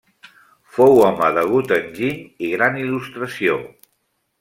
Fou home d'agut enginy i gran il·lustració.